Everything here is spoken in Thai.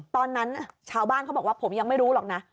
ตอนนั้นชาวบ้านเขาบอกว่าผมยังไม่รู้หรอกนะ